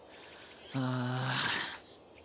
ああ。